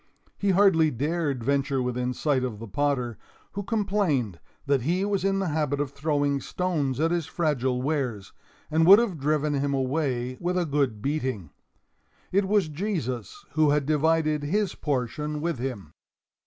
He hardly dared venture within sight of the potter, who complained that he was in the habit of throwing stones at his fragile wares, and would have driven him away with a good beating. It was Jesus who had divided his portion with him.